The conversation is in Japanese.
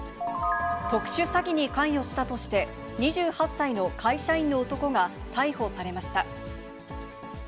特殊詐欺に関与したとして、２８歳の会社員の男が逮捕されました。